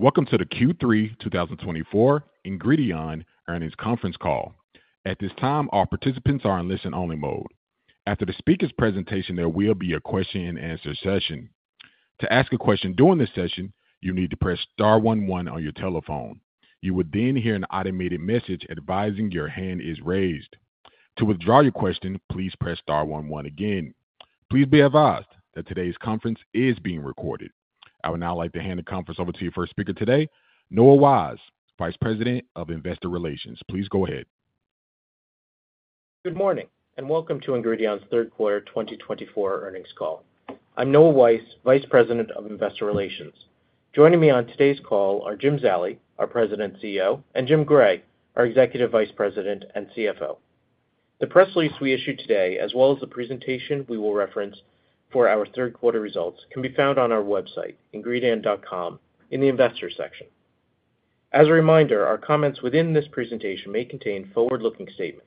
Welcome to the Q3 2024 Ingredion Earnings Conference Call. At this time, all participants are in listen-only mode. After the speaker's presentation, there will be a question-and-answer session. To ask a question during this session, you need to press star 11 on your telephone. You will then hear an automated message advising your hand is raised. To withdraw your question, please press star 11 again. Please be advised that today's conference is being recorded. I would now like to hand the conference over to your first speaker today, Noah Weiss, Vice President of Investor Relations. Please go ahead. Good morning and welcome to Ingredion's Third Quarter 2024 Earnings Call. I'm Noah Weiss, Vice President of Investor Relations. Joining me on today's call are Jim Zallie, our President and CEO, and Jim Gray, our Executive Vice President and CFO. The press release we issued today, as well as the presentation we will reference for our third quarter results, can be found on our website, ingredion.com, in the investor section. As a reminder, our comments within this presentation may contain forward-looking statements.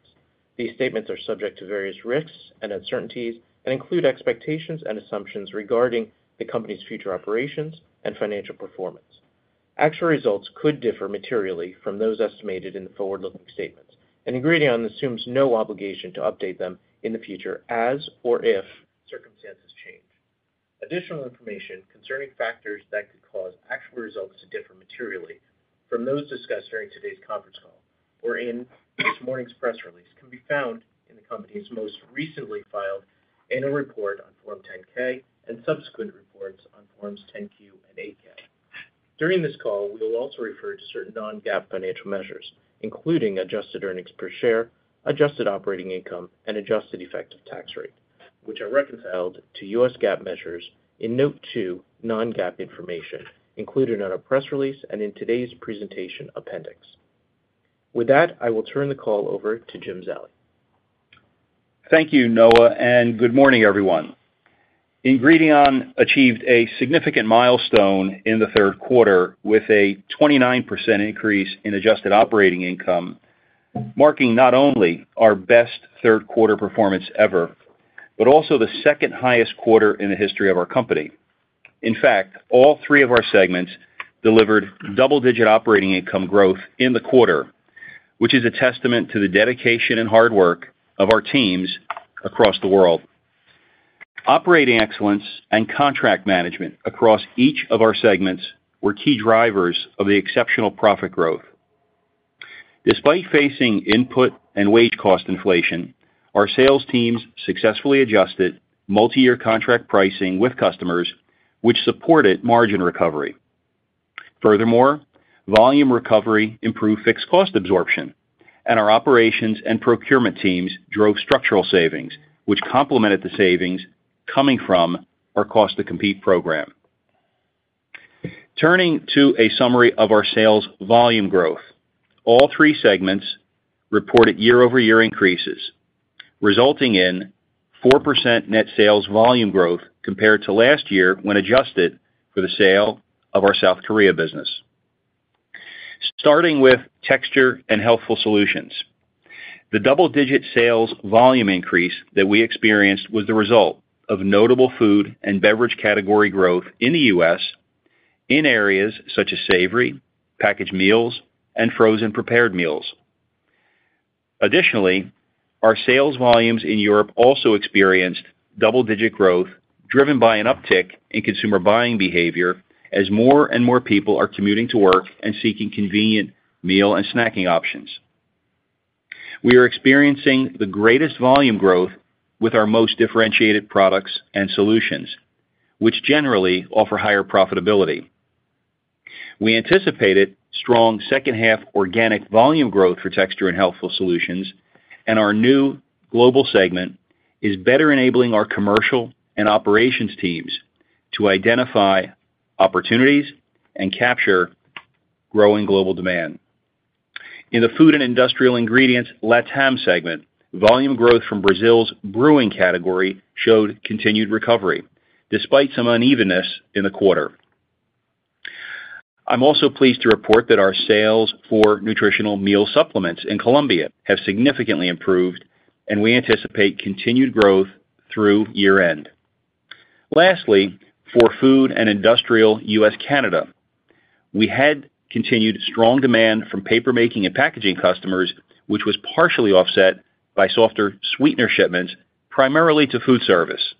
These statements are subject to various risks and uncertainties and include expectations and assumptions regarding the company's future operations and financial performance. Actual results could differ materially from those estimated in the forward-looking statements, and Ingredion assumes no obligation to update them in the future as or if circumstances change. Additional information concerning factors that could cause actual results to differ materially from those discussed during today's conference call or in this morning's press release can be found in the company's most recently filed annual report on Form 10-K and subsequent reports on Forms 10-Q and 8-K. During this call, we will also refer to certain non-GAAP financial measures, including adjusted earnings per share, adjusted operating income, and adjusted effective tax rate, which are reconciled to U.S. GAAP measures in Note 2, non-GAAP information included in our press release and in today's presentation appendix. With that, I will turn the call over to Jim Zallie. Thank you, Noah, and good morning, everyone. Ingredion achieved a significant milestone in the third quarter with a 29% increase in adjusted operating income, marking not only our best third quarter performance ever, but also the second highest quarter in the history of our company. In fact, all three of our segments delivered double-digit operating income growth in the quarter, which is a testament to the dedication and hard work of our teams across the world. Operating excellence and contract management across each of our segments were key drivers of the exceptional profit growth. Despite facing input and wage cost inflation, our sales teams successfully adjusted multi-year contract pricing with customers, which supported margin recovery. Furthermore, volume recovery improved fixed cost absorption, and our operations and procurement teams drove structural savings, which complemented the savings coming from our Cost-to-Compete program. Turning to a summary of our sales volume growth, all three segments reported year-over-year increases, resulting in 4% net sales volume growth compared to last year when adjusted for the sale of our South Korea business. Starting with Texture and Healthful Solutions, the double-digit sales volume increase that we experienced was the result of notable food and beverage category growth in the U.S. in areas such as savory, packaged meals, and frozen prepared meals. Additionally, our sales volumes in Europe also experienced double-digit growth driven by an uptick in consumer buying behavior as more and more people are commuting to work and seeking convenient meal and snacking options. We are experiencing the greatest volume growth with our most differentiated products and solutions, which generally offer higher profitability. We anticipated strong second-half organic volume growth for Texture and Healthful Solutions, and our new global segment is better enabling our commercial and operations teams to identify opportunities and capture growing global demand. In the Food and Industrial Ingredients LATAM segment, volume growth from Brazil's brewing category showed continued recovery despite some unevenness in the quarter. I'm also pleased to report that our sales for nutritional meal supplements in Colombia have significantly improved, and we anticipate continued growth through year-end. Lastly, for Food and Industrial Ingredients US-Canada, we had continued strong demand from paper-making and packaging customers, which was partially offset by softer sweetener shipments primarily to food service.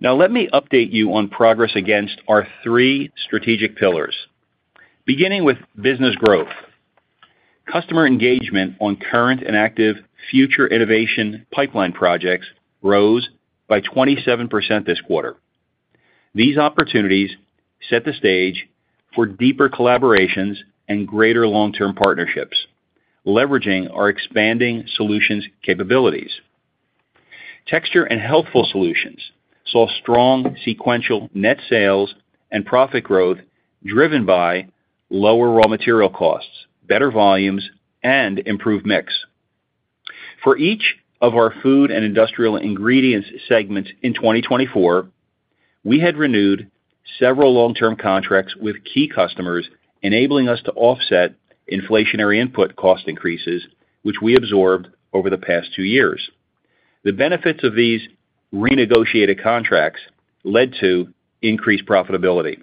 Now, let me update you on progress against our three strategic pillars. Beginning with business growth, customer engagement on current and active future innovation pipeline projects rose by 27% this quarter. These opportunities set the stage for deeper collaborations and greater long-term partnerships, leveraging our expanding solutions capabilities. Texture and Healthful Solutions saw strong sequential net sales and profit growth driven by lower raw material costs, better volumes, and improved mix. For each of our Food and Industrial Ingredients segments in 2024, we had renewed several long-term contracts with key customers, enabling us to offset inflationary input cost increases, which we absorbed over the past two years. The benefits of these renegotiated contracts led to increased profitability.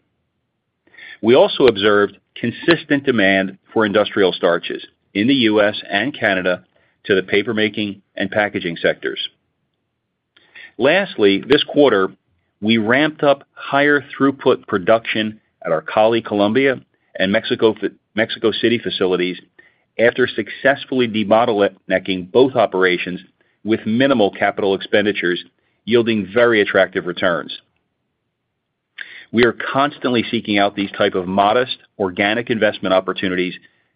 We also observed consistent demand for Industrial Starches in the U.S. and Canada to the paper-making and packaging sectors. Lastly, this quarter, we ramped up higher throughput production at our Cali, Colombia, and Mexico City facilities after successfully demodeling both operations with minimal capital expenditures, yielding very attractive returns. We are constantly seeking out these types of modest organic investment opportunities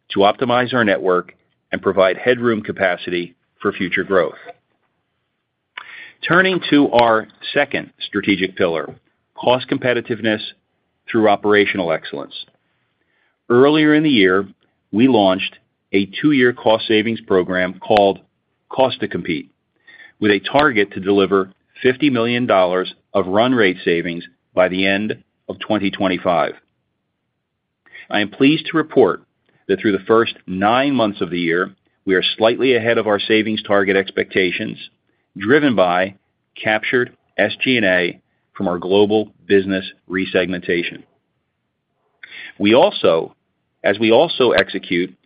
to optimize our network and provide headroom capacity for future growth. Turning to our second strategic pillar, cost competitiveness through operational excellence. Earlier in the year, we launched a two-year cost savings program called Cost-to-Compete, with a target to deliver $50 million of run-rate savings by the end of 2025. I am pleased to report that through the first nine months of the year, we are slightly ahead of our savings target expectations, driven by captured SG&A from our global business resegmentation. As we also execute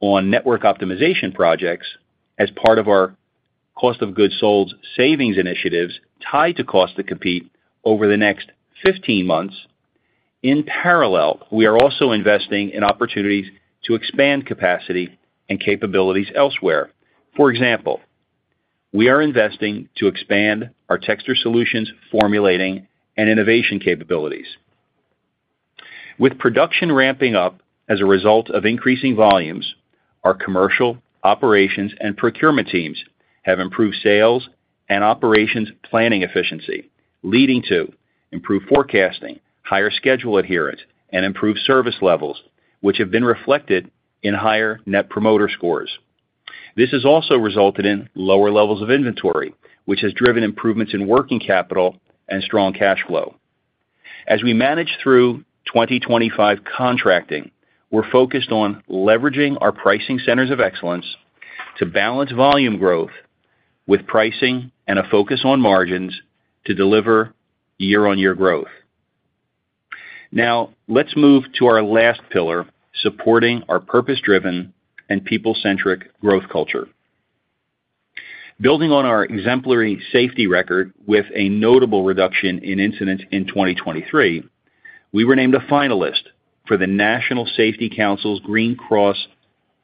on network optimization projects as part of our cost of goods sold savings initiatives tied to Cost-to-Compete over the next 15 months, in parallel, we are also investing in opportunities to expand capacity and capabilities elsewhere. For example, we are investing to expand our texture solutions formulating and innovation capabilities. With production ramping up as a result of increasing volumes, our commercial, operations, and procurement teams have improved sales and operations planning efficiency, leading to improved forecasting, higher schedule adherence, and improved service levels, which have been reflected in higher Net Promoter Scores. This has also resulted in lower levels of inventory, which has driven improvements in working capital and strong cash flow. As we manage through 2025 contracting, we're focused on leveraging our Pricing Centers of Excellence to balance volume growth with pricing and a focus on margins to deliver year-on-year growth. Now, let's move to our last pillar, supporting our purpose-driven and people-centric growth culture. Building on our exemplary safety record with a notable reduction in incidents in 2023, we were named a finalist for the National Safety Council's Green Cross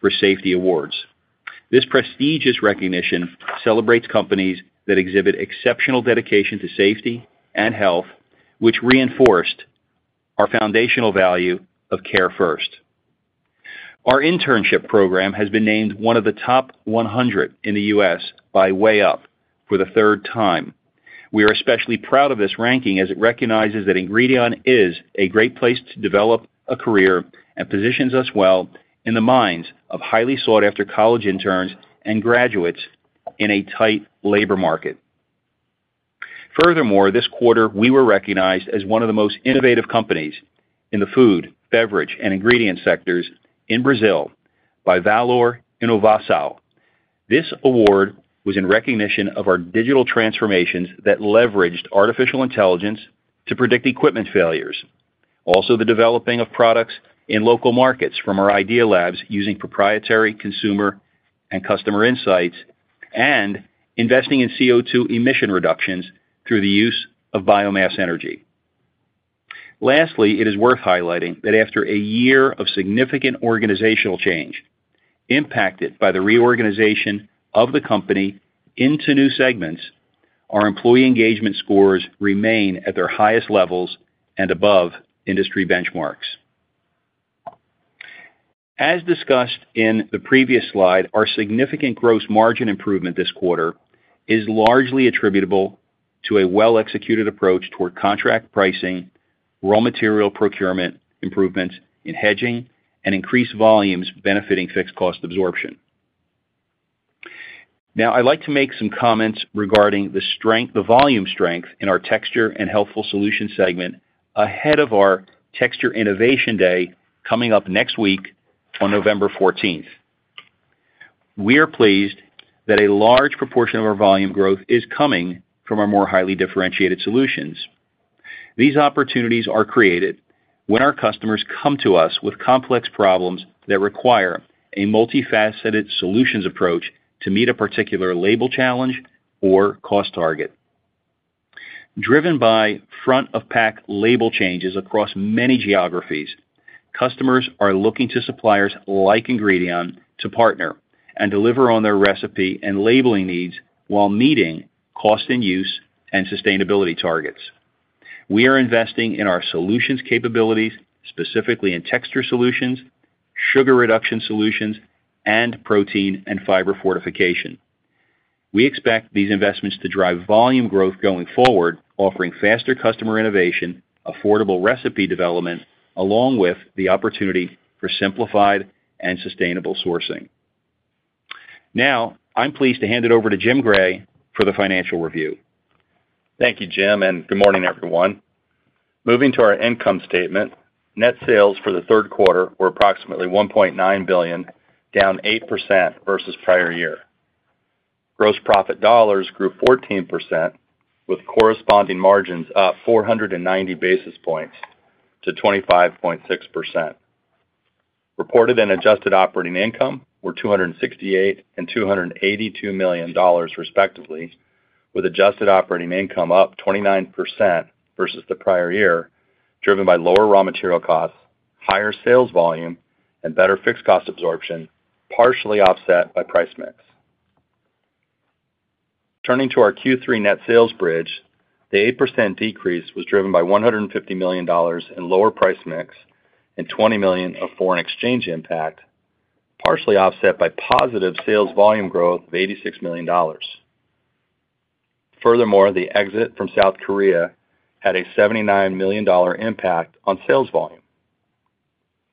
for Safety Awards. This prestigious recognition celebrates companies that exhibit exceptional dedication to safety and health, which reinforced our foundational value of Care First. Our internship program has been named one of the top 100 in the U.S. by WayUp for the third time. We are especially proud of this ranking as it recognizes that Ingredion is a great place to develop a career and positions us well in the minds of highly sought-after college interns and graduates in a tight labor market. Furthermore, this quarter, we were recognized as one of the most innovative companies in the food, beverage, and ingredient sectors in Brazil by Valor Inovação. This award was in recognition of our digital transformations that leveraged artificial intelligence to predict equipment failures, also the developing of products in local markets from our Idea Labs using proprietary consumer and customer insights, and investing in CO2 emission reductions through the use of biomass energy. Lastly, it is worth highlighting that after a year of significant organizational change impacted by the reorganization of the company into new segments, our employee engagement scores remain at their highest levels and above industry benchmarks. As discussed in the previous slide, our significant gross margin improvement this quarter is largely attributable to a well-executed approach toward contract pricing, raw material procurement improvements in hedging, and increased volumes benefiting fixed cost absorption. Now, I'd like to make some comments regarding the volume strength in our Texture and Healthful Solutions segment ahead of our Texture Innovation Day coming up next week on November 14th. We are pleased that a large proportion of our volume growth is coming from our more highly differentiated solutions. These opportunities are created when our customers come to us with complex problems that require a multifaceted solutions approach to meet a particular label challenge or cost target. Driven by front-of-pack label changes across many geographies, customers are looking to suppliers like Ingredion to partner and deliver on their recipe and labeling needs while meeting cost and use and sustainability targets. We are investing in our solutions capabilities, specifically in texture solutions, sugar reduction solutions, and protein and fiber fortification. We expect these investments to drive volume growth going forward, offering faster customer innovation, affordable recipe development, along with the opportunity for simplified and sustainable sourcing. Now, I'm pleased to hand it over to Jim Gray for the financial review. Thank you, Jim, and good morning, everyone. Moving to our income statement, net sales for the third quarter were approximately $1.9 billion, down 8% versus prior year. Gross profit dollars grew 14%, with corresponding margins up 490 basis points to 25.6%. Reported and adjusted operating income were $268 and $282 million, respectively, with adjusted operating income up 29% versus the prior year, driven by lower raw material costs, higher sales volume, and better fixed cost absorption, partially offset by price mix. Turning to our Q3 net sales bridge, the 8% decrease was driven by $150 million in lower price mix and $20 million of foreign exchange impact, partially offset by positive sales volume growth of $86 million. Furthermore, the exit from South Korea had a $79 million impact on sales volume.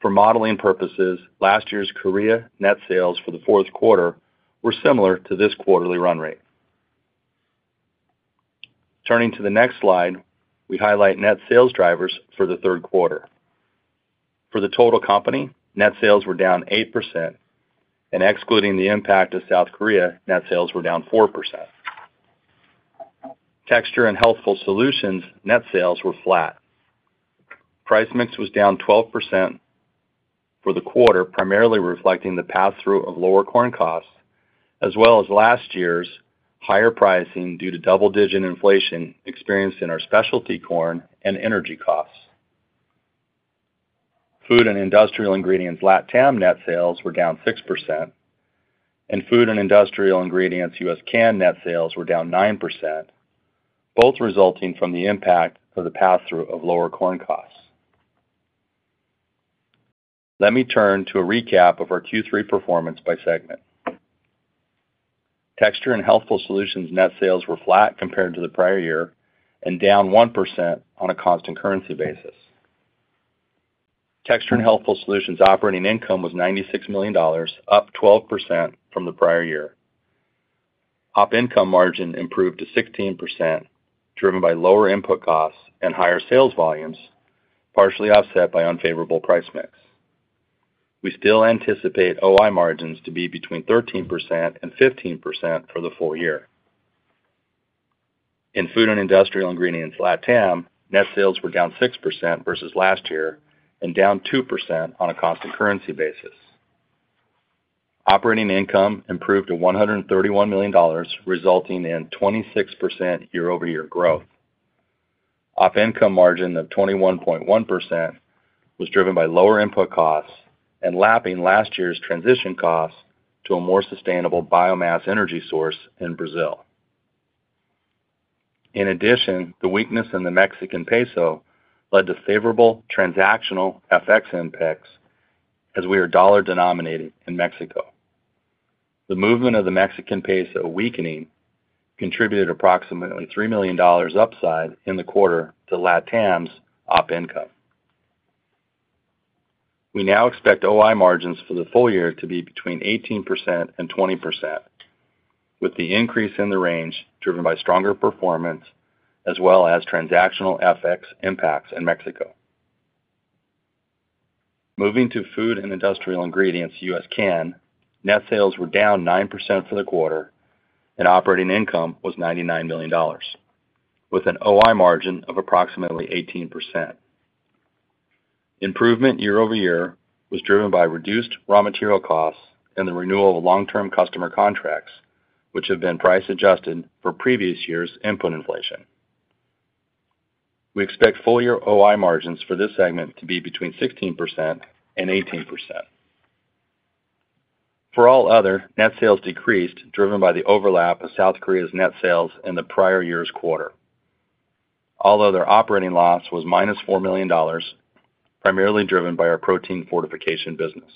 For modeling purposes, last year's Korea net sales for the fourth quarter were similar to this quarterly run rate. Turning to the next slide, we highlight net sales drivers for the third quarter. For the total company, net sales were down 8%, and excluding the impact of South Korea, net sales were down 4%. Texture and Healthful Solutions net sales were flat. Price mix was down 12% for the quarter, primarily reflecting the pass-through of lower corn costs, as well as last year's higher pricing due to double-digit inflation experienced in our specialty corn and energy costs. Food and Industrial Ingredients Latam net sales were down 6%, and Food and Industrial Ingredients US-Can net sales were down 9%, both resulting from the impact of the pass-through of lower corn costs. Let me turn to a recap of our Q3 performance by segment. Texture and Healthful Solutions net sales were flat compared to the prior year and down 1% on a cost and currency basis. Texture and Healthful Solutions operating income was $96 million, up 12% from the prior year. OI income margin improved to 16%, driven by lower input costs and higher sales volumes, partially offset by unfavorable price mix. We still anticipate OI margins to be between 13% and 15% for the full year. In Food and Industrial Ingredients Latam, net sales were down 6% versus last year and down 2% on a cost and currency basis. Operating income improved to $131 million, resulting in 26% year-over-year growth. OI income margin of 21.1% was driven by lower input costs and lapping last year's transition costs to a more sustainable biomass energy source in Brazil. In addition, the weakness in the Mexican peso led to favorable transactional FX impacts as we are dollar-denominated in Mexico. The movement of the Mexican peso weakening contributed approximately $3 million upside in the quarter to Latam's OI income. We now expect OI margins for the full year to be between 18% and 20%, with the increase in the range driven by stronger performance as well as transactional FX impacts in Mexico. Moving to food and industrial ingredients US-Can, net sales were down 9% for the quarter, and operating income was $99 million, with an OI margin of approximately 18%. Improvement year-over-year was driven by reduced raw material costs and the renewal of long-term customer contracts, which have been price-adjusted for previous year's input inflation. We expect full-year OI margins for this segment to be between 16% and 18%. For All Other, net sales decreased driven by the overlap of South Korea's net sales in the prior year's quarter. All other operating loss was minus $4 million, primarily driven by our protein fortification business.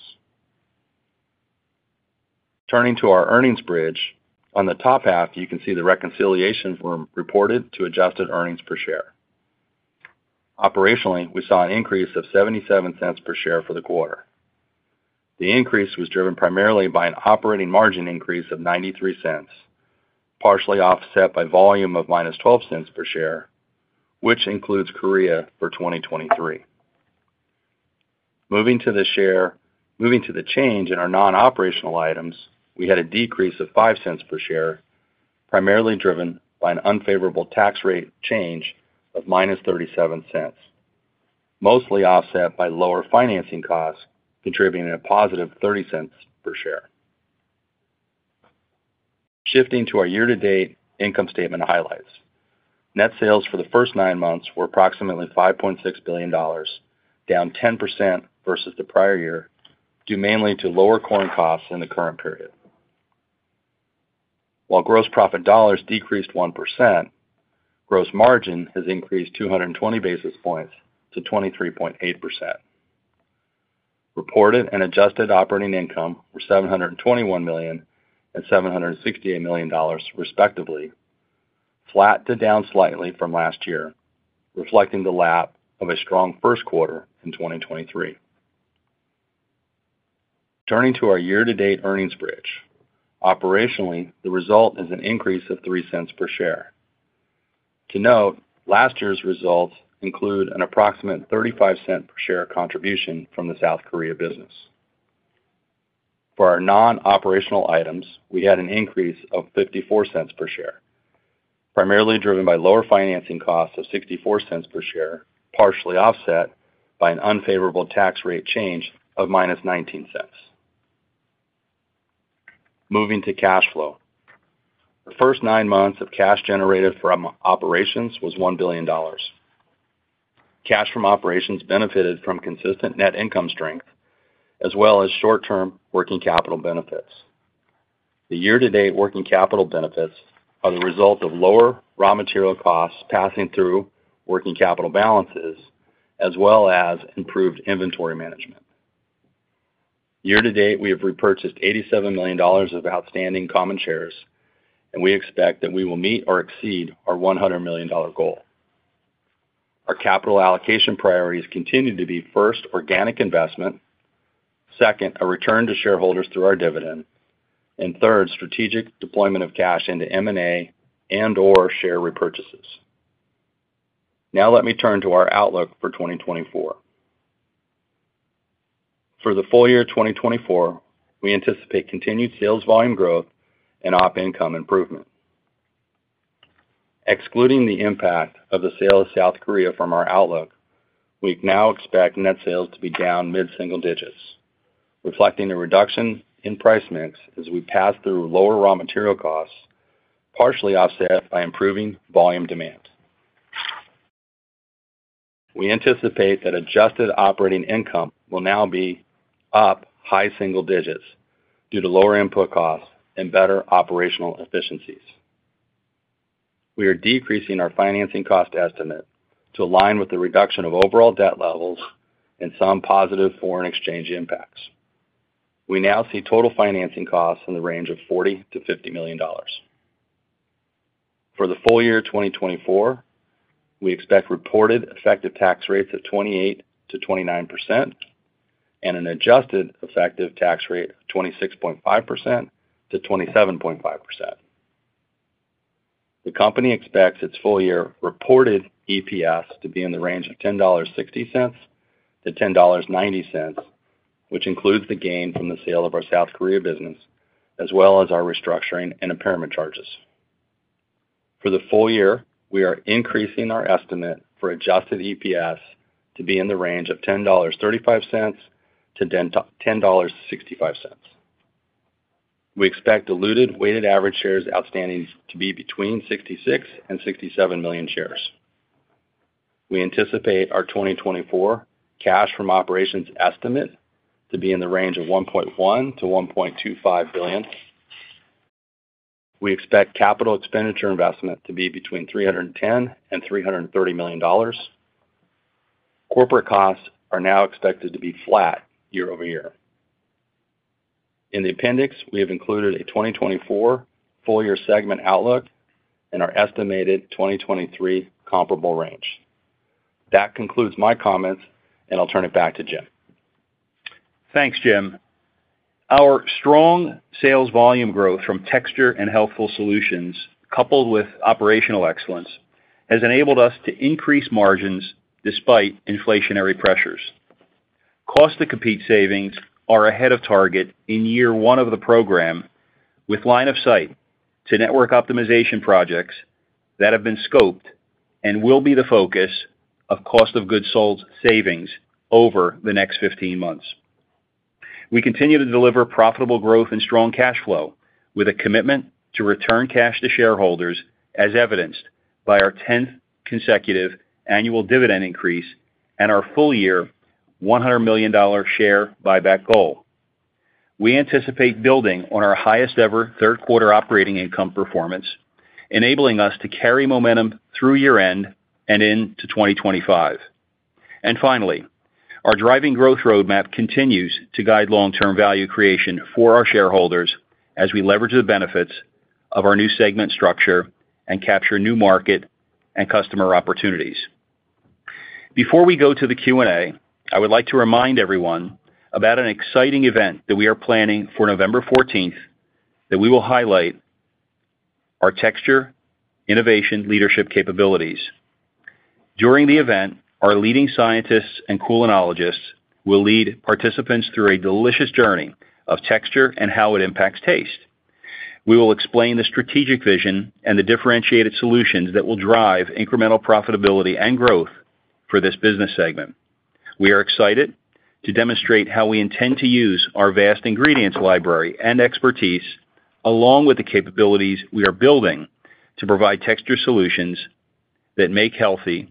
Turning to our earnings bridge, on the top half, you can see the reconciliation from reported to adjusted earnings per share. Operationally, we saw an increase of $0.77 per share for the quarter. The increase was driven primarily by an operating margin increase of $0.93, partially offset by volume of minus $0.12 per share, which includes Korea for 2023. Moving to the change in our non-operational items, we had a decrease of $0.05 per share, primarily driven by an unfavorable tax rate change of minus $0.37, mostly offset by lower financing costs contributing a positive $0.30 per share. Shifting to our year-to-date income statement highlights. Net sales for the first nine months were approximately $5.6 billion, down 10% versus the prior year, due mainly to lower corn costs in the current period. While gross profit dollars decreased 1%, gross margin has increased 220 basis points to 23.8%. Reported and adjusted operating income were $721 million and $768 million, respectively, flat to down slightly from last year, reflecting the lapped a strong first quarter in 2023. Turning to our year-to-date earnings bridge, operationally, the result is an increase of $0.03 per share. To note, last year's results include an approximate $0.35 per share contribution from the South Korea business. For our non-operational items, we had an increase of $0.54 per share, primarily driven by lower financing costs of $0.64 per share, partially offset by an unfavorable tax rate change of -$0.19. Moving to cash flow. The first nine months of cash generated from operations was $1 billion. Cash from operations benefited from consistent net income strength, as well as short-term working capital benefits. The year-to-date working capital benefits are the result of lower raw material costs passing through working capital balances, as well as improved inventory management. Year-to-date, we have repurchased $87 million of outstanding common shares, and we expect that we will meet or exceed our $100 million goal. Our capital allocation priorities continue to be first, organic investment, second, a return to shareholders through our dividend, and third, strategic deployment of cash into M&A and/or share repurchases. Now, let me turn to our outlook for 2024. For the full year 2024, we anticipate continued sales volume growth and op income improvement. Excluding the impact of the sale of South Korea from our outlook, we now expect net sales to be down mid-single digits, reflecting a reduction in price mix as we pass through lower raw material costs, partially offset by improving volume demand. We anticipate that adjusted operating income will now be up high single digits due to lower input costs and better operational efficiencies. We are decreasing our financing cost estimate to align with the reduction of overall debt levels and some positive foreign exchange impacts. We now see total financing costs in the range of $40-$50 million. For the full year 2024, we expect reported effective tax rates of 28%-29% and an adjusted effective tax rate of 26.5%-27.5%. The company expects its full-year reported EPS to be in the range of $10.60-$10.90, which includes the gain from the sale of our South Korea business, as well as our restructuring and impairment charges. For the full year, we are increasing our estimate for adjusted EPS to be in the range of $10.35-$10.65. We expect diluted weighted average shares outstanding to be between 66 and 67 million shares. We anticipate our 2024 cash from operations estimate to be in the range of $1.1-$1.25 billion. We expect capital expenditure investment to be between $310-$330 million. Corporate costs are now expected to be flat year-over-year. In the appendix, we have included a 2024 full-year segment outlook and our estimated 2023 comparable range. That concludes my comments, and I'll turn it back to Jim. Thanks, Jim. Our strong sales volume growth from Texture and Healthful Solutions, coupled with operational excellence, has enabled us to increase margins despite inflationary pressures. Cost-to-Compete savings are ahead of target in year one of the program, with line of sight to network optimization projects that have been scoped and will be the focus of cost-of-goods sold savings over the next 15 months. We continue to deliver profitable growth and strong cash flow with a commitment to return cash to shareholders, as evidenced by our 10th consecutive annual dividend increase and our full-year $100 million share buyback goal. We anticipate building on our highest-ever third-quarter operating income performance, enabling us to carry momentum through year-end and into 2025. And finally, our Driving Growth Roadmap continues to guide long-term value creation for our shareholders as we leverage the benefits of our new segment structure and capture new market and customer opportunities. Before we go to the Q&A, I would like to remind everyone about an exciting event that we are planning for November 14th that we will highlight our Texture Innovation Leadership Capabilities. During the event, our leading scientists and culinologists will lead participants through a delicious journey of texture and how it impacts taste. We will explain the strategic vision and the differentiated solutions that will drive incremental profitability and growth for this business segment. We are excited to demonstrate how we intend to use our vast ingredients library and expertise, along with the capabilities we are building to provide texture solutions that make healthy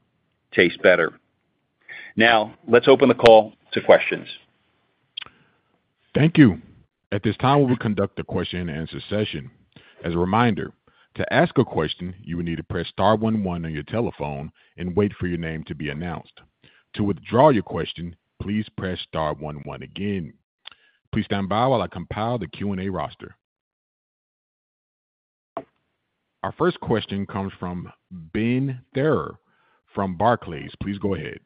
taste better. Now, let's open the call to questions. Thank you. At this time, we will conduct the question-and-answer session. As a reminder, to ask a question, you will need to press star 11 on your telephone and wait for your name to be announced. To withdraw your question, please press star 11 again. Please stand by while I compile the Q&A roster. Our first question comes from Ben Theurer from Barclays. Please go ahead.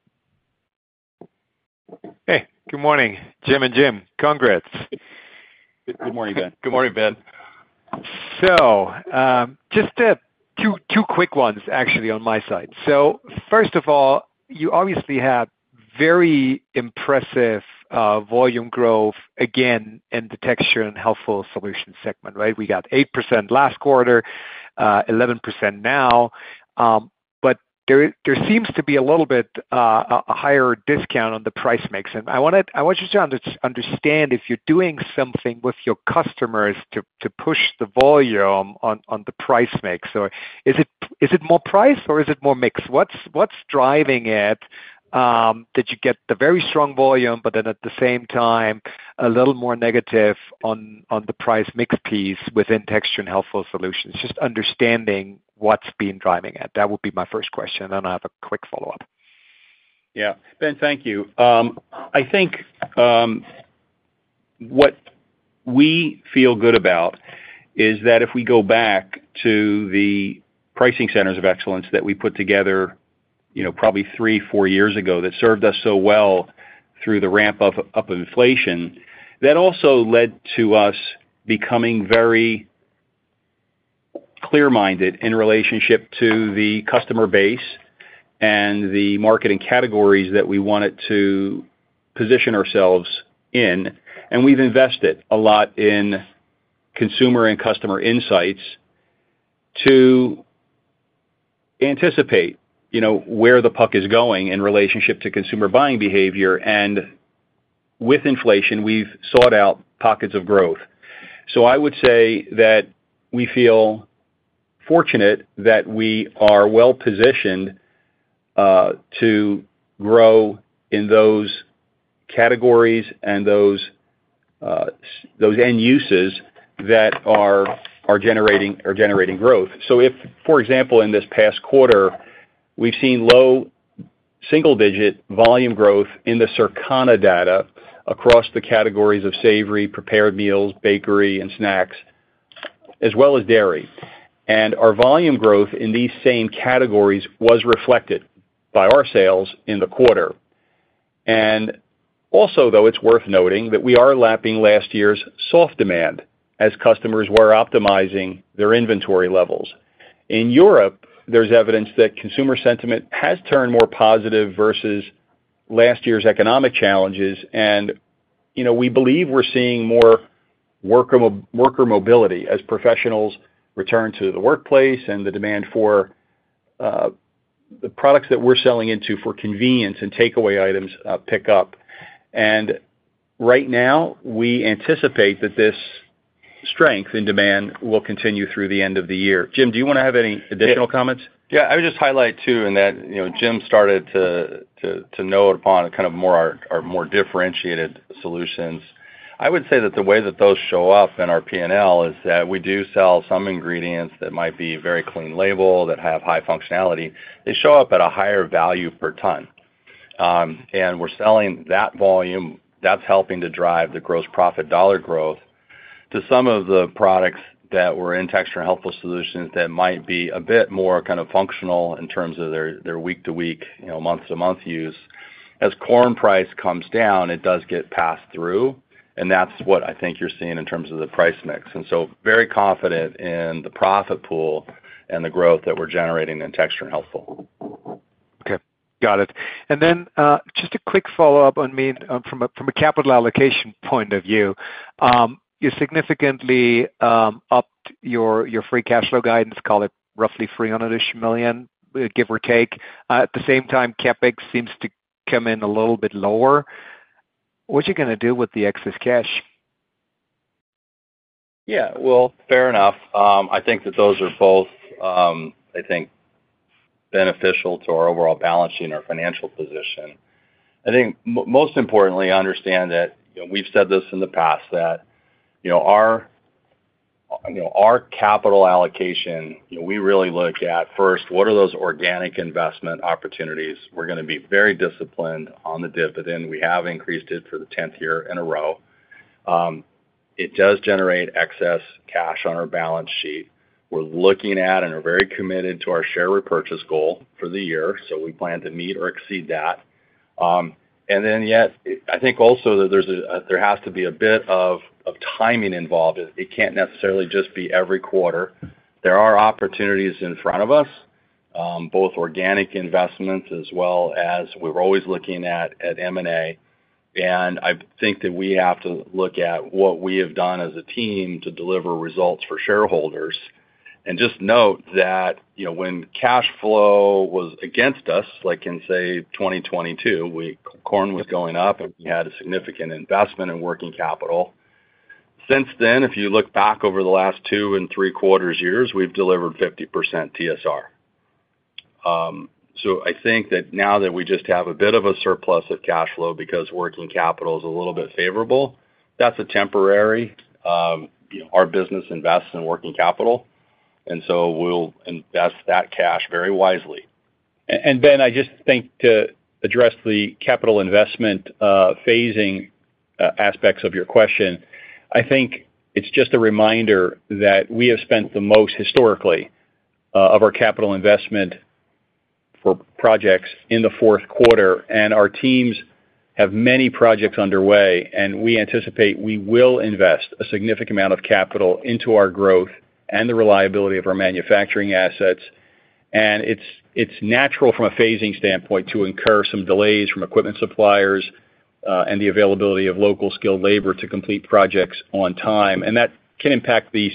Hey, good morning, Jim and Jim. Congrats. Good morning, Ben. Good morning, Ben. So just two quick ones, actually, on my side. So first of all, you obviously have very impressive volume growth, again, in the Texture and Healthful Solutions segment, right? We got 8% last quarter, 11% now. But there seems to be a little bit of a higher discount on the price mix. And I want you to understand if you're doing something with your customers to push the volume on the price mix. So is it more price or is it more mix? What's driving it that you get the very strong volume, but then at the same time, a little more negative on the price mix piece within Texture and Healthful Solutions? Just understanding what's been driving it. That would be my first question, and then I have a quick follow-up. Yeah. Ben, thank you. I think what we feel good about is that if we go back to the Pricing Centers of Excellence that we put together probably three, four years ago that served us so well through the ramp-up of inflation, that also led to us becoming very clear-minded in relationship to the customer base and the marketing categories that we wanted to position ourselves in. And we've invested a lot in consumer and customer insights to anticipate where the puck is going in relationship to consumer buying behavior. And with inflation, we've sought out pockets of growth. So I would say that we feel fortunate that we are well-positioned to grow in those categories and those end uses that are generating growth. So if, for example, in this past quarter, we've seen low single-digit volume growth in the Circana data across the categories of savory, prepared meals, bakery, and snacks, as well as dairy. And our volume growth in these same categories was reflected by our sales in the quarter. And also, though, it's worth noting that we are lapping last year's soft demand as customers were optimizing their inventory levels. In Europe, there's evidence that consumer sentiment has turned more positive versus last year's economic challenges. And we believe we're seeing more worker mobility as professionals return to the workplace and the demand for the products that we're selling into for convenience and takeaway items pick up. And right now, we anticipate that this strength in demand will continue through the end of the year. Jim, do you want to have any additional comments? Yeah. I would just highlight too in that Jim started to note upon kind of more our more differentiated solutions. I would say that the way that those show up in our P&L is that we do sell some ingredients that might be very clean label that have high functionality. They show up at a higher value per ton, and we're selling that volume. That's helping to drive the gross profit dollar growth to some of the products that were in Texture and Healthful Solutions that might be a bit more kind of functional in terms of their week-to-week, month-to-month use. As corn price comes down, it does get passed through, and that's what I think you're seeing in terms of the price mix, and so very confident in the profit pool and the growth that we're generating in Texture and Healthful. Okay. Got it. And then just a quick follow-up on me from a capital allocation point of view. You significantly upped your free cash flow guidance, call it roughly $300-ish million, give or take. At the same time, CapEx seems to come in a little bit lower. What are you going to do with the excess cash? Yeah. Well, fair enough. I think that those are both, I think, beneficial to our overall balancing our financial position. I think most importantly, I understand that we've said this in the past that our capital allocation, we really look at first, what are those organic investment opportunities? We're going to be very disciplined on the dividend. We have increased it for the 10th year in a row. It does generate excess cash on our balance sheet. We're looking at and are very committed to our share repurchase goal for the year. So we plan to meet or exceed that. And then yet, I think also that there has to be a bit of timing involved. It can't necessarily just be every quarter. There are opportunities in front of us, both organic investments as well as we're always looking at M&A. And I think that we have to look at what we have done as a team to deliver results for shareholders. And just note that when cash flow was against us, like in, say, 2022, corn was going up and we had a significant investment in working capital. Since then, if you look back over the last two and three quarters years, we've delivered 50% TSR. So I think that now that we just have a bit of a surplus of cash flow because working capital is a little bit favorable, that's a temporary. Our business invests in working capital. And so we'll invest that cash very wisely. And Ben, I just think to address the capital investment phasing aspects of your question. I think it's just a reminder that we have spent the most historically of our capital investment for projects in the fourth quarter. And our teams have many projects underway. And we anticipate we will invest a significant amount of capital into our growth and the reliability of our manufacturing assets. And it's natural from a phasing standpoint to incur some delays from equipment suppliers and the availability of local skilled labor to complete projects on time. And that can impact the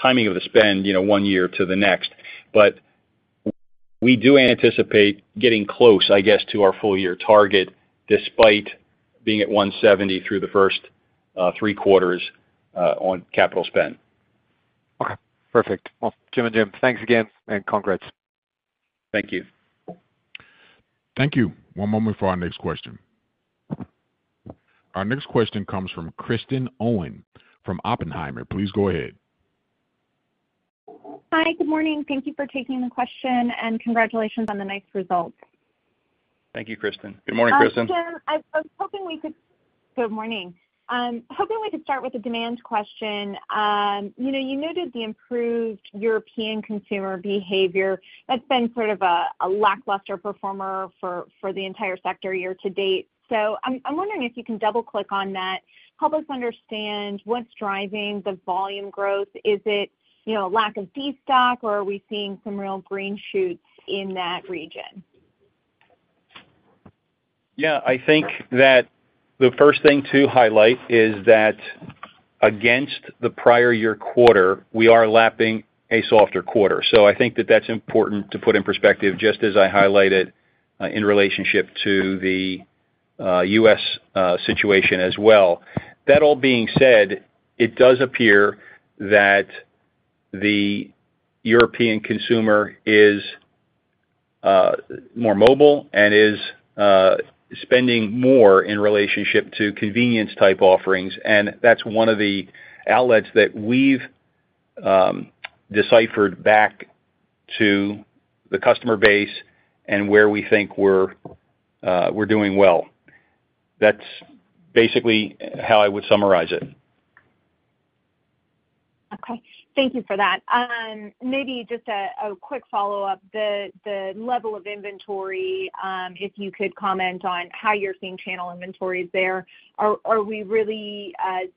timing of the spend one year to the next. But we do anticipate getting close, I guess, to our full-year target despite being at 170 through the first three quarters on capital spend. Okay. Perfect. Well, Jim and Jim, thanks again and congrats. Thank you. Thank you. One moment for our next question. Our next question comes from Kristen Owen from Oppenheimer. Please go ahead. Hi, good morning. Thank you for taking the question and congratulations on the nice results. Thank you, Kristen. Good morning, Kristen. Hi, Jim. Good morning. Hoping we could start with a demand question. You noted the improved European consumer behavior. That's been sort of a lackluster performer for the entire sector year to date. So I'm wondering if you can double-click on that, help us understand what's driving the volume growth. Is it a lack of deflation or are we seeing some real green shoots in that region? Yeah. I think that the first thing to highlight is that against the prior year quarter, we are lapping a softer quarter. So I think that that's important to put in perspective, just as I highlighted in relationship to the U.S. situation as well. That all being said, it does appear that the European consumer is more mobile and is spending more in relationship to convenience-type offerings, and that's one of the outlets that we've deciphered back to the customer base and where we think we're doing well. That's basically how I would summarize it. Okay. Thank you for that. Maybe just a quick follow-up. The level of inventory, if you could comment on how you're seeing channel inventories there. Are we really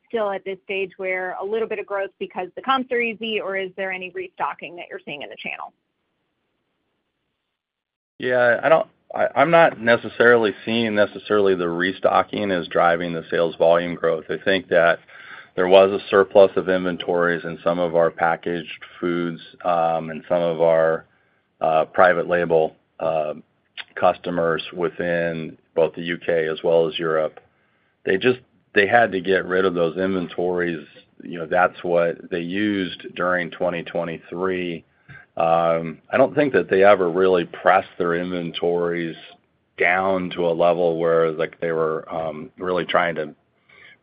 still at this stage where a little bit of growth because the comps are easy, or is there any restocking that you're seeing in the channel? Yeah. I'm not necessarily seeing the restocking as driving the sales volume growth. I think that there was a surplus of inventories in some of our packaged foods and some of our private label customers within both the U.K. as well as Europe. They had to get rid of those inventories. That's what they used during 2023. I don't think that they ever really pressed their inventories down to a level where they were really trying to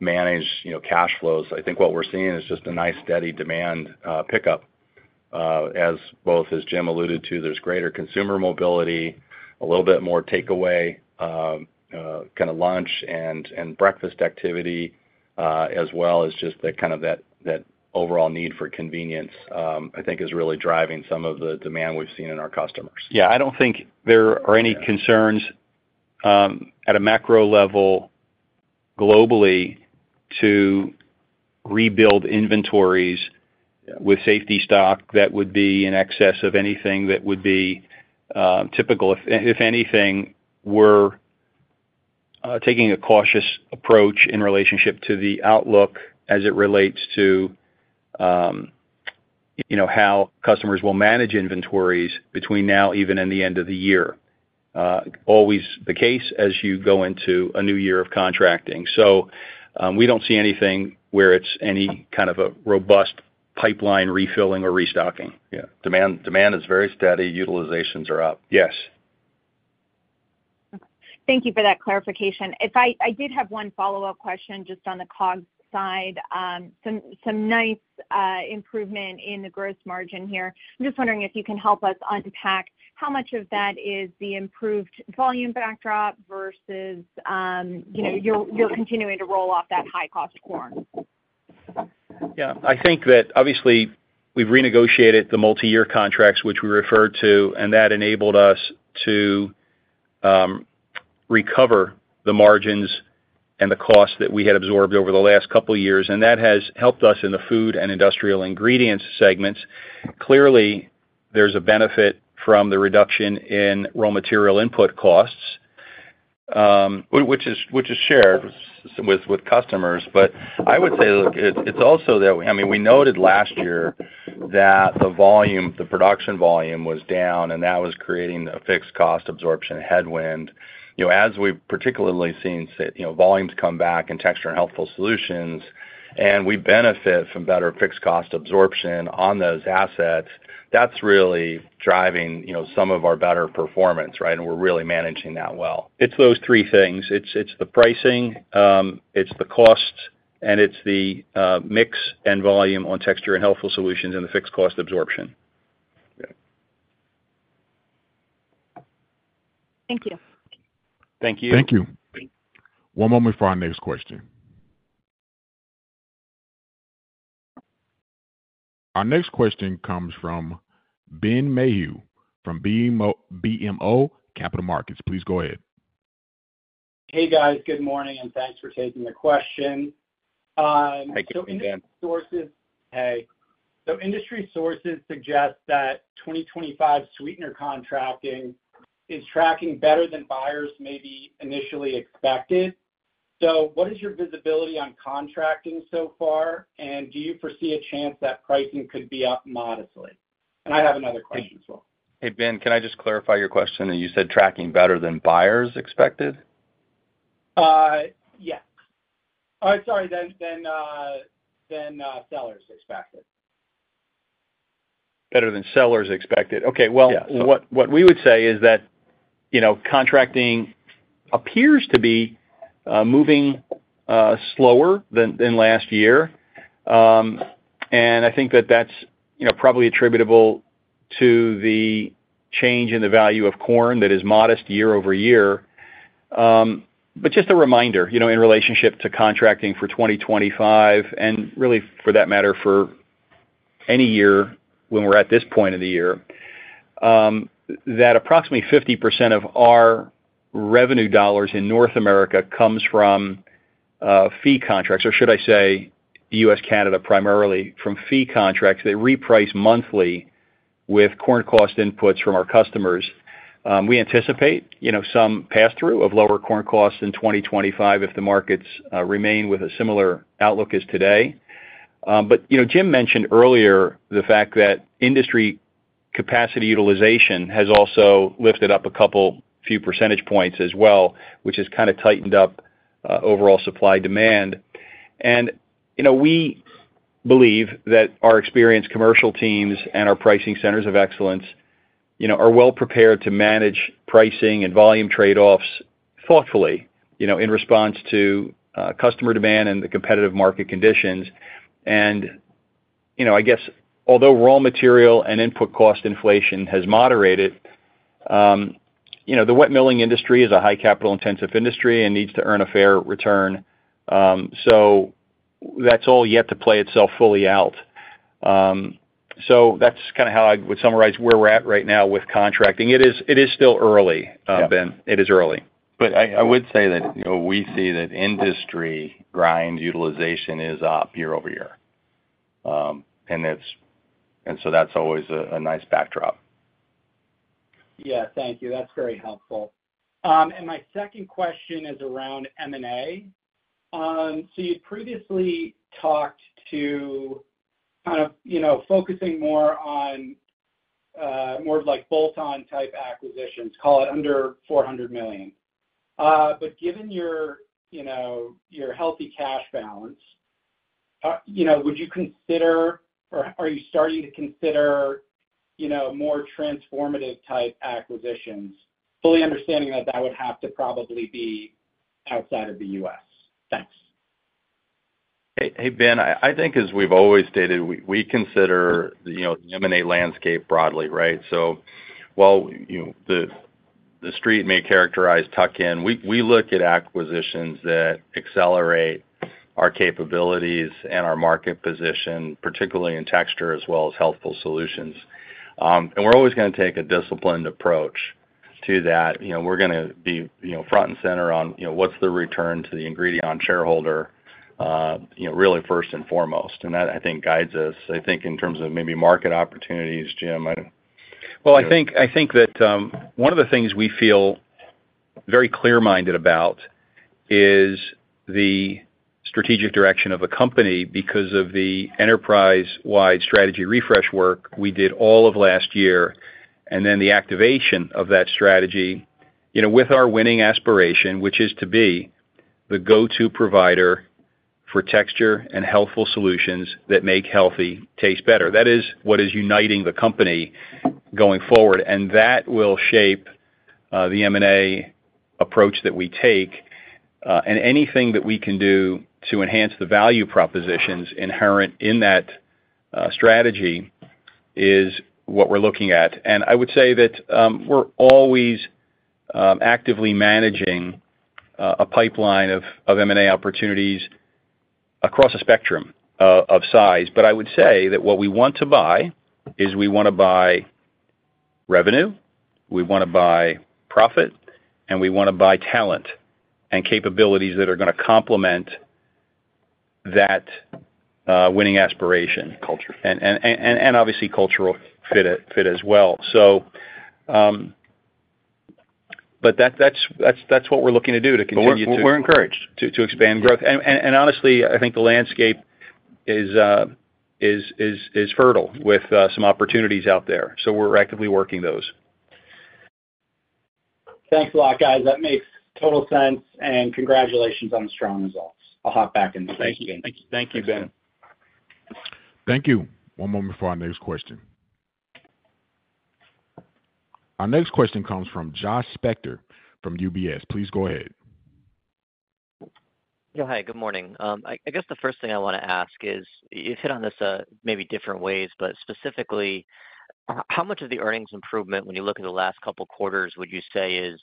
manage cash flows. I think what we're seeing is just a nice steady demand pickup. As both as Jim alluded to, there's greater consumer mobility, a little bit more takeaway, kind of lunch and breakfast activity, as well as just kind of that overall need for convenience, I think, is really driving some of the demand we've seen in our customers. Yeah. I don't think there are any concerns at a macro level globally to rebuild inventories with safety stock that would be in excess of anything that would be typical. If anything, we're taking a cautious approach in relationship to the outlook as it relates to how customers will manage inventories between now, even in the end of the year. Always the case as you go into a new year of contracting. So we don't see anything where it's any kind of a robust pipeline refilling or restocking. Yeah. Demand is very steady. Utilizations are up. Yes. Thank you for that clarification. I did have one follow-up question just on the COGS side. Some nice improvement in the gross margin here. I'm just wondering if you can help us unpack how much of that is the improved volume backdrop versus your continuing to roll off that high-cost corn? Yeah. I think that obviously we've renegotiated the multi-year contracts, which we referred to, and that enabled us to recover the margins and the costs that we had absorbed over the last couple of years. And that has helped us in the food and industrial ingredients segments. Clearly, there's a benefit from the reduction in raw material input costs, which is shared with customers. But I would say it's also that, I mean, we noted last year that the volume, the production volume was down, and that was creating a fixed cost absorption headwind. As we've particularly seen volumes come back in Texture and Healthful Solutions, and we benefit from better fixed cost absorption on those assets, that's really driving some of our better performance, right? And we're really managing that well. It's those three things. It's the pricing, it's the cost, and it's the mix and volume on Texture and Healthful Solutions and the fixed cost absorption. Thank you. Thank you. Thank you. One moment for our next question. Our next question comes from Ben Mayhew from BMO Capital Markets. Please go ahead. Hey, guys. Good morning, and thanks for taking the question. Hey, Ben So industry sources suggest that 2025 sweetener contracting is tracking better than buyers maybe initially expected. So what is your visibility on contracting so far? And do you foresee a chance that pricing could be up modestly? And I have another question as well. Hey, Ben, can I just clarify your question, and you said tracking better than buyers expected? Yes. All right. Sorry. Then sales expected. Better than analysts expected. Okay. Well, what we would say is that contracting appears to be moving slower than last year. And I think that that's probably attributable to the change in the value of corn that is modest year over year. But just a reminder in relationship to contracting for 2025, and really for that matter, for any year when we're at this point of the year, that approximately 50% of our revenue dollars in North America comes from fee contracts, or should I say U.S., Canada primarily from fee contracts that reprice monthly with corn cost inputs from our customers. We anticipate some pass-through of lower corn costs in 2025 if the markets remain with a similar outlook as today. But Jim mentioned earlier the fact that industry capacity utilization has also lifted up a couple few percentage points as well, which has kind of tightened up overall supply demand. And we believe that our experienced commercial teams and our pricing centers of excellence are well prepared to manage pricing and volume trade-offs thoughtfully in response to customer demand and the competitive market conditions. And I guess, although raw material and input cost inflation has moderated, the wet milling industry is a high capital-intensive industry and needs to earn a fair return. So that's all yet to play itself fully out. So that's kind of how I would summarize where we're at right now with contracting. It is still early, Ben. It is early. But I would say that we see that industry capacity utilization is up year over year. And so that's always a nice backdrop. Yeah. Thank you. That's very helpful. And my second question is around M&A. So you'd previously talked to kind of focusing more on more of like bolt-on type acquisitions, call it under $400 million. But given your healthy cash balance, would you consider or are you starting to consider more transformative type acquisitions, fully understanding that that would have to probably be outside of the U.S.? Thanks. Hey, Ben, I think as we've always stated, we consider the M&A landscape broadly, right? So while the street may characterize tuck-in, we look at acquisitions that accelerate our capabilities and our market position, particularly in Texture as well as Healthful Solutions. And we're always going to take a disciplined approach to that. We're going to be front and center on what's the return on the investment for shareholders, really first and foremost. And that, I think, guides us. I think in terms of maybe market opportunities, Jim. Well, I think that one of the things we feel very clear-minded about is the strategic direction of the company because of the enterprise-wide strategy refresh work we did all of last year. And then the activation of that strategy with our winning aspiration, which is to be the go-to provider for Texture and Healthful Solutions that make healthy taste better. That is what is uniting the company going forward, and that will shape the M&A approach that we take, and anything that we can do to enhance the value propositions inherent in that strategy is what we're looking at, and I would say that we're always actively managing a pipeline of M&A opportunities across a spectrum of size, but I would say that what we want to buy is we want to buy revenue, we want to buy profit, and we want to buy talent and capabilities that are going to complement that winning aspiration. Culture and obviously cultural fit as well. But that's what we're looking to do to continue to, well, we're encouraged to expand growth, and honestly, I think the landscape is fertile with some opportunities out there, so we're actively working those. Thanks a lot, guys. That makes total sense, and congratulations on the strong results. I'll hop back in. Thank you. Thank you, Ben. Thank you. One moment for our next question. Our next question comes from Josh Spector from UBS. Please go ahead. Hi, good morning. I guess the first thing I want to ask is you've hit on this maybe different ways, but specifically, how much of the earnings improvement when you look at the last couple of quarters would you say is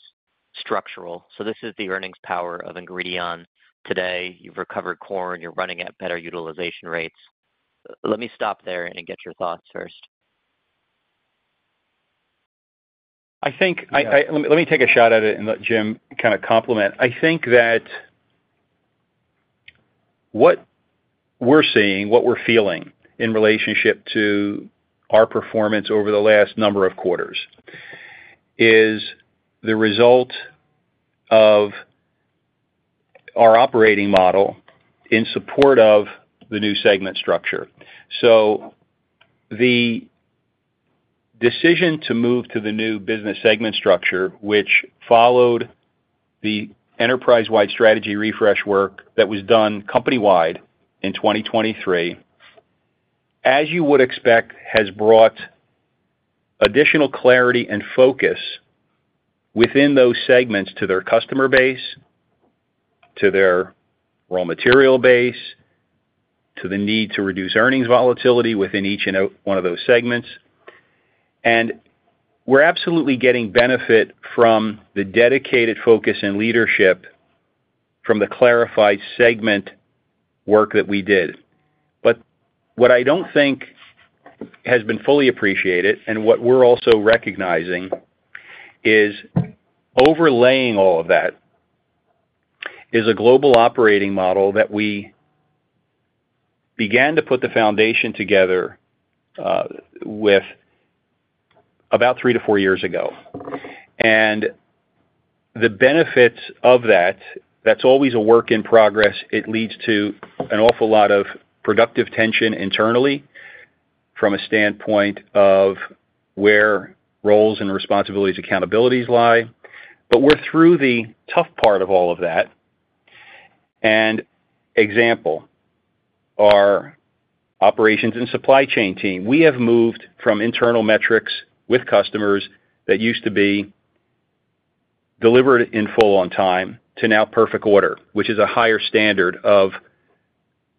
structural? So this is the earnings power of ingredients. Today, you've recovered corn. You're running at better utilization rates. Let me stop there and get your thoughts first. I think, let me take a shot at it and let Jim kind of complement. I think that what we're seeing, what we're feeling in relationship to our performance over the last number of quarters is the result of our operating model in support of the new segment structure, so the decision to move to the new business segment structure, which followed the enterprise-wide strategy refresh work that was done company-wide in 2023, as you would expect, has brought additional clarity and focus within those segments to their customer base, to their raw material base, to the need to reduce earnings volatility within each and one of those segments, and we're absolutely getting benefit from the dedicated focus and leadership from the clarified segment work that we did. What I don't think has been fully appreciated, and what we're also recognizing, is overlaying all of that is a global operating model that we began to put the foundation together with about three to four years ago, and the benefits of that, that's always a work in progress. It leads to an awful lot of productive tension internally from a standpoint of where roles and responsibilities, accountabilities lie. But we're through the tough part of all of that. And an example is our operations and supply chain team. We have moved from internal metrics with customers that used to be delivered in full on time to now Perfect Order, which is a higher standard of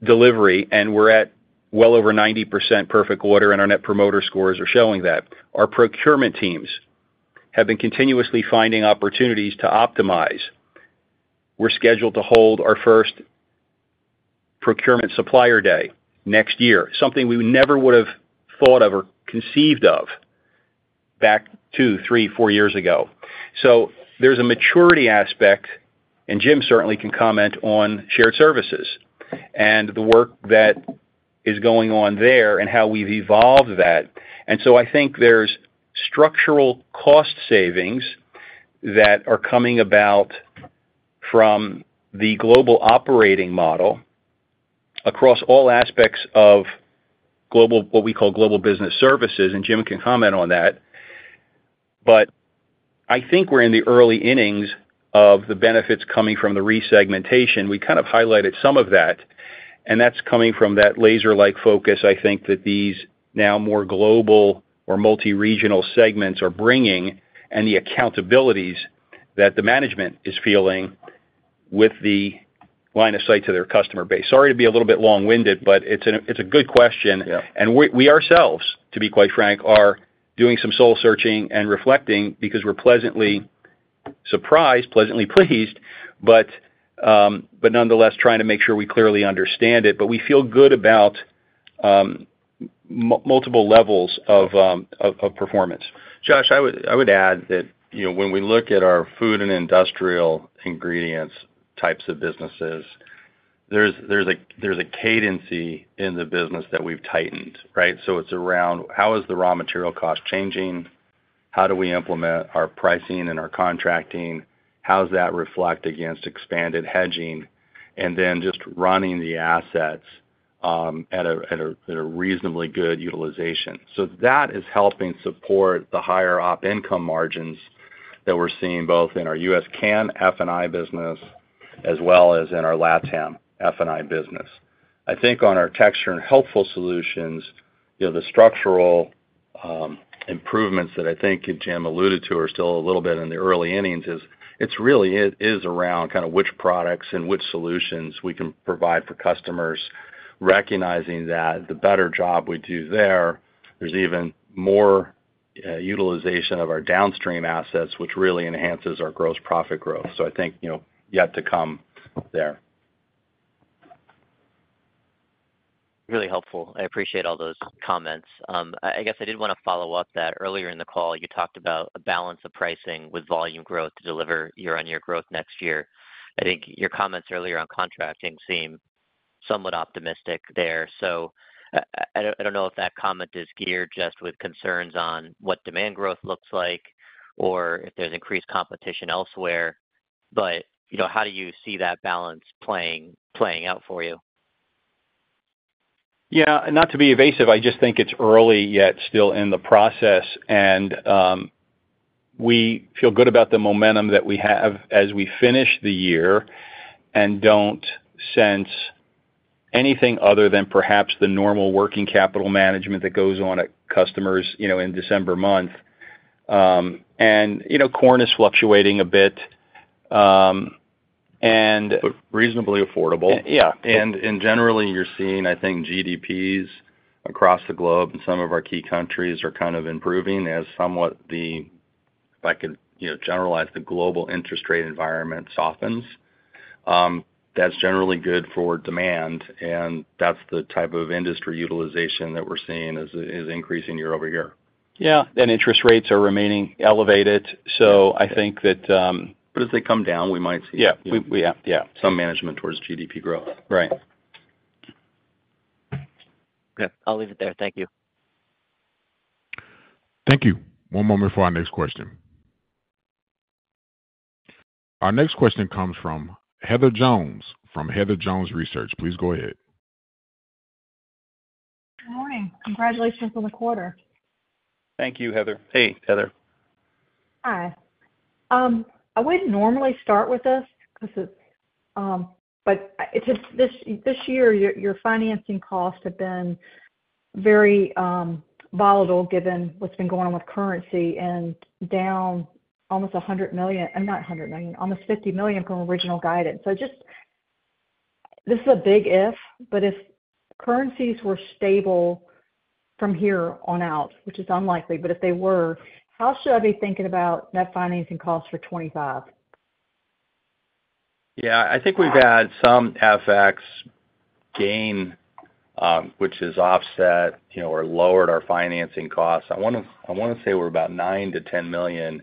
delivery. And we're at well over 90% Perfect Order, and our Net Promoter Scores are showing that. Our procurement teams have been continuously finding opportunities to optimize. We're scheduled to hold our first procurement supplier day next year, something we never would have thought of or conceived of back two, three, four years ago, so there's a maturity aspect, and Jim certainly can comment on shared services and the work that is going on there and how we've evolved that, and so I think there's structural cost savings that are coming about from the global operating model across all aspects of what we call global business services, and Jim can comment on that, but I think we're in the early innings of the benefits coming from the resegmentation, we kind of highlighted some of that, and that's coming from that laser-like focus, I think, that these now more global or multi-regional segments are bringing and the accountabilities that the management is feeling with the line of sight to their customer base. Sorry to be a little bit long-winded, but it's a good question. And we ourselves, to be quite frank, are doing some soul searching and reflecting because we're pleasantly surprised, pleasantly pleased, but nonetheless trying to make sure we clearly understand it. But we feel good about multiple levels of performance. Josh, I would add that when we look at our food and industrial ingredients types of businesses, there's a cadence in the business that we've tightened, right? So it's around how is the raw material cost changing? How do we implement our pricing and our contracting? How does that reflect against expected hedging? And then just running the assets at a reasonably good utilization. So that is helping support the higher op income margins that we're seeing both in our U.S.-Canada F&I business as well as in our LATAM F&I business. I think on our Texture and Healthful Solutions, the structural improvements that I think Jim alluded to are still a little bit in the early innings. It's really around kind of which products and which solutions we can provide for customers, recognizing that the better job we do there, there's even more utilization of our downstream assets, which really enhances our gross profit growth. So I think yet to come there. Really helpful. I appreciate all those comments. I guess I did want to follow up that earlier in the call, you talked about a balance of pricing with volume growth to deliver year-on-year growth next year. I think your comments earlier on contracting seem somewhat optimistic there. So I don't know if that comment is geared just with concerns on what demand growth looks like or if there's increased competition elsewhere. But how do you see that balance playing out for you? Yeah. And not to be evasive, I just think it's early yet still in the process. We feel good about the momentum that we have as we finish the year and don't sense anything other than perhaps the normal working capital management that goes on at customers in December month. Corn is fluctuating a bit, but reasonably affordable. Yeah. And generally, you're seeing, I think, GDPs across the globe in some of our key countries are kind of improving as somewhat the, if I could generalize, the global interest rate environment softens. That's generally good for demand. And that's the type of industry utilization that we're seeing is increasing year over year. Yeah. And interest rates are remaining elevated. So I think that, but as they come down, we might see yeah, yeah, some management towards GDP growth. Right. Okay. I'll leave it there. Thank you. Thank you. One moment for our next question. Our next question comes from Heather Jones from Heather Jones Research. Please go ahead. Good morning. Congratulations on the quarter. Thank you, Heather. Hey, Heather. Hi. I wouldn't normally start with this because it's, but this year, your financing costs have been very volatile given what's been going on with currency and down almost $100 million and not $100 million, almost $50 million from original guidance. So this is a big if, but if currencies were stable from here on out, which is unlikely, but if they were, how should I be thinking about net financing costs for 2025? Yeah. I think we've had some FX gain, which has offset or lowered our financing costs. I want to say we're about $9 million-$10 million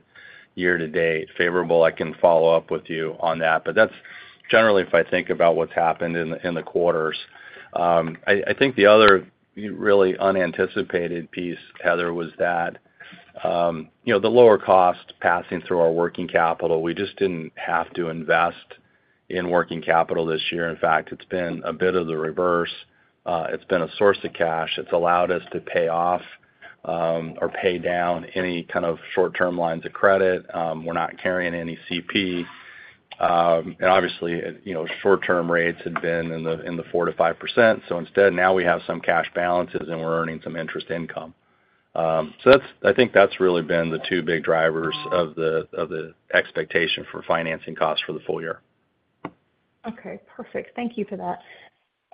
year to date. Favorable. I can follow up with you on that. But that's generally if I think about what's happened in the quarters. I think the other really unanticipated piece, Heather, was that the lower cost passing through our working capital. We just didn't have to invest in working capital this year. In fact, it's been a bit of the reverse. It's been a source of cash. It's allowed us to pay off or pay down any kind of short-term lines of credit. We're not carrying any CP. And obviously, short-term rates had been in the 4%-5%. So instead, now we have some cash balances and we're earning some interest income. So I think that's really been the two big drivers of the expectation for financing costs for the full year. Okay. Perfect. Thank you for that.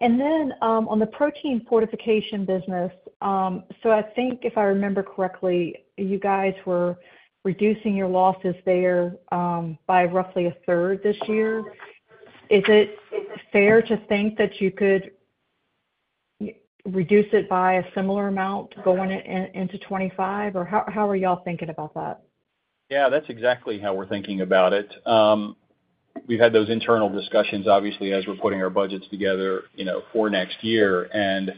And then on the protein fortification business, so I think if I remember correctly, you guys were reducing your losses there by roughly a third this year. Is it fair to think that you could reduce it by a similar amount going into 2025? Or how are y'all thinking about that? Yeah. That's exactly how we're thinking about it. We've had those internal discussions, obviously, as we're putting our budgets together for next year. And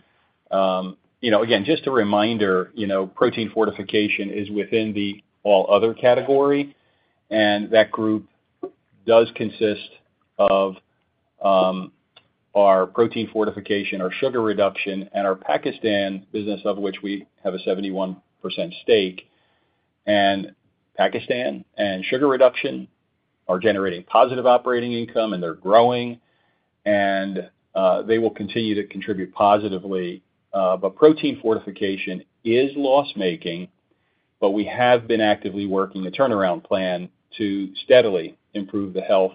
again, just a reminder, protein fortification is within the All-other category. And that group does consist of our protein fortification, our sugar reduction, and our Pakistan business, of which we have a 71% stake. And Pakistan and sugar reduction are generating positive operating income, and they're growing. And they will continue to contribute positively. But protein fortification is loss-making, but we have been actively working a turnaround plan to steadily improve the health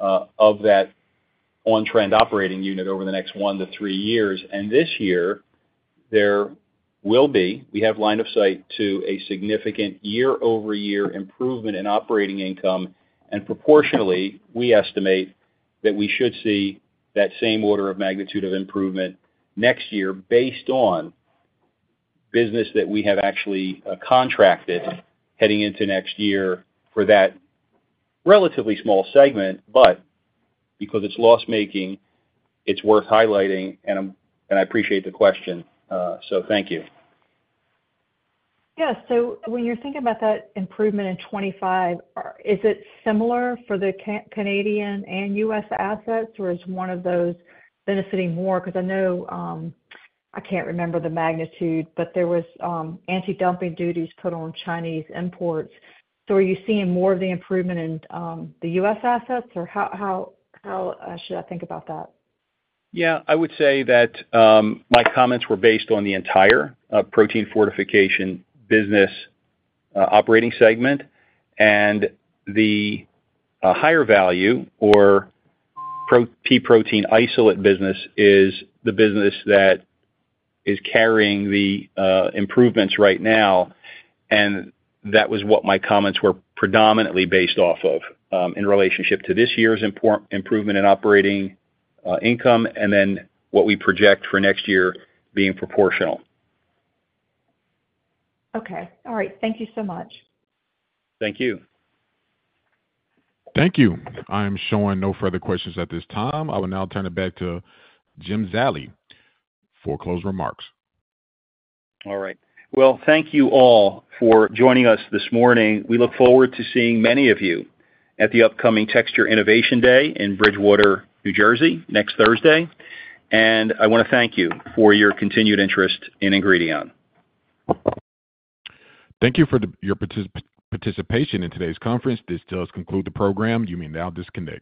of that on-trend operating unit over the next one to three years. And this year, we have line of sight to a significant year-over-year improvement in operating income. Proportionally, we estimate that we should see that same order of magnitude of improvement next year based on business that we have actually contracted heading into next year for that relatively small segment. Because it's loss-making, it's worth highlighting. I appreciate the question. Thank you. Yeah. So when you're thinking about that improvement in 2025, is it similar for the Canadian and U.S. assets, or is one of those benefiting more? Because I know I can't remember the magnitude, but there was anti-dumping duties put on Chinese imports. So are you seeing more of the improvement in the U.S. assets, or how should I think about that? Yeah. I would say that my comments were based on the entire protein fortification business operating segment. And the higher value or pea protein isolate business is the business that is carrying the improvements right now. And that was what my comments were predominantly based off of in relationship to this year's improvement in operating income and then what we project for next year being proportional. Okay. All right. Thank you so much. Thank you. Thank you. I am showing no further questions at this time. I will now turn it back to Jim Zallie for closing remarks. All right. Well, thank you all for joining us this morning. We look forward to seeing many of you at the upcoming Texture Innovation Day in Bridgewater, New Jersey, next Thursday. And I want to thank you for your continued interest in Ingredion. Thank you for your participation in today's conference. This does conclude the program. You may now disconnect.